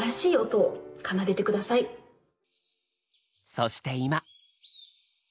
そして今。